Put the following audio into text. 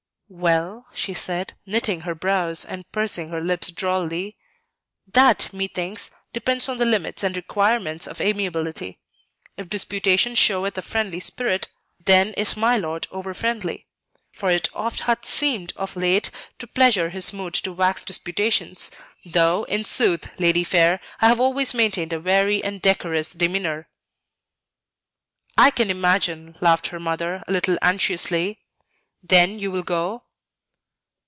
"Well," she said, knitting her brows and pursing her lips drolly, "that, methinks, depends on the limits and requirements of amiability. If disputation showeth a friendly spirit, then is my lord overfriendly; for it oft hath seemed of late to pleasure his mood to wax disputations, though, in sooth, lady fair, I have always maintained a wary and decorous demeanor." "I can imagine," laughed her mother, a little anxiously; "then you will go?"